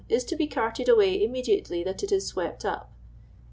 is to be carted away immediately that it is swept up.